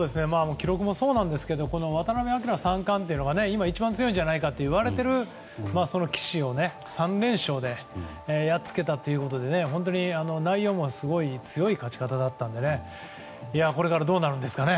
記録もそうなんですが渡辺明三冠という今一番強いんじゃないかといわれている棋士を３連勝でやっつけたということで内容もすごい強い勝ち方だったのでこれからどうなるんですかね。